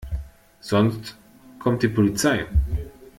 Sonst kommt die Polizei.